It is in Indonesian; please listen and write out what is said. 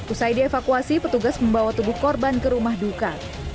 usai dievakuasi petugas membawa tubuh korban ke rumah duka